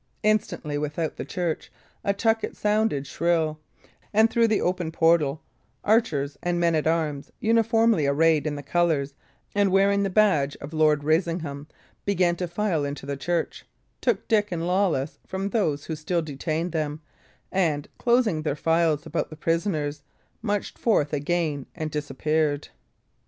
Instantly, without the church, a tucket sounded shrill, and through the open portal archers and men at arms, uniformly arrayed in the colours and wearing the badge of Lord Risingham, began to file into the church, took Dick and Lawless from those who still detained them, and, closing their files about the prisoners, marched forth again and disappeared.